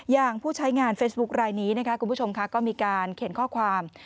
อย่างผู้ใช้งานเฟซบุ๊กลายนี้ก็มีการเขียนข้อความ